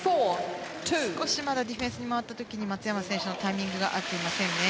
少しまだディフェンスに回った時に松山選手のタイミングが合っていませんね。